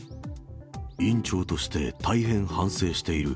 院長として大変反省している。